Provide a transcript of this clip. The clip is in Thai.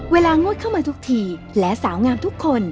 งดเข้ามาทุกทีและสาวงามทุกคน